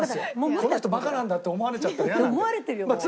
この人バカなんだって思われちゃったら嫌なんで。